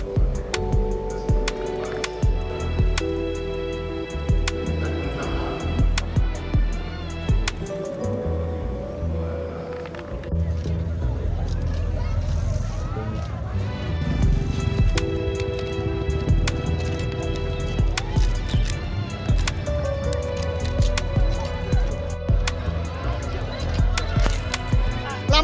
sempat nyangkut pak